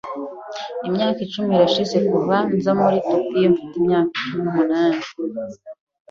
Imyaka icumi irashize kuva nza muri Tokiyo mfite imyaka cumi n'umunani.